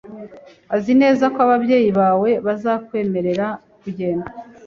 Uzi neza ko ababyeyi bawe bazakwemerera kugenda?